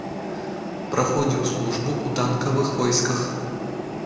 Праходзіў службу ў танкавых войсках.